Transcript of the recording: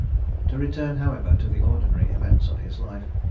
To return, however, to the ordinary events of his life.